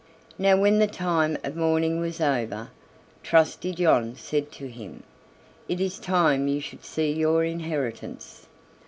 Now when the time of mourning was over, Trusty John said to him: "It is time you should see your inheritance.